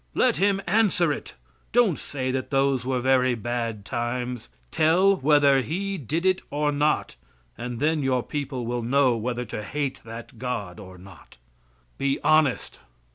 Let him answer it. Don't say that those were very bad times. Tell whether He did it or not, and then your people will know whether to hate that God or not. Be honest.